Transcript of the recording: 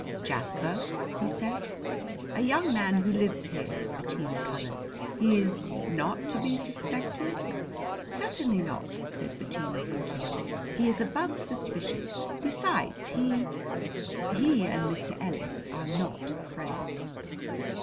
"Jasper?" he said. "A young man who lives here." Bettina colored. "He is not to be suspected?" "Certainly not," said Bettina haughtily; "he is above suspicion. Besides, he he and Mr. Ellis are not friends."